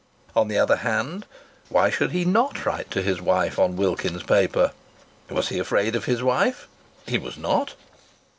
On the other hand, why should he not write to his wife on Wilkins's paper? Was he afraid of his wife? He was not.